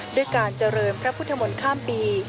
ด้วยการเจริญพระพุทธมนต์ข้ามปี